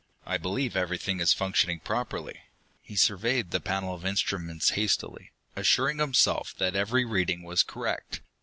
I believe everything is functioning properly." He surveyed the panel of instruments hastily, assuring himself that every reading was correct.